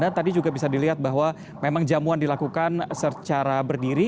dan tadi juga bisa dilihat bahwa memang jamuan dilakukan secara berdiri